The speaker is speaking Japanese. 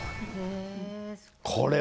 これ。